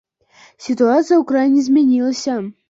Сітуацыя ў краіне змянілася.